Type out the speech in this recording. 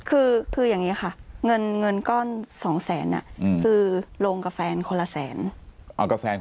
คืออย่างนี้ค่ะเงินก้อน๒แสนคือลงกับแฟนคนละแสน